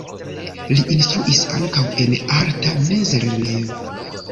Li instruis ankaŭ en arta mezlernejo.